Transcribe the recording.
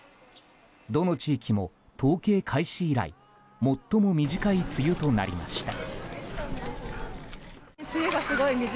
どの地域も統計開始以来最も短い梅雨となりました。